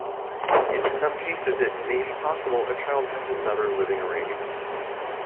In some cases it may be possible a child has another living arrangement.